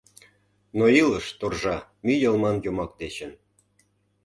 Но илыш торжа мӱй йылман йомак дечын.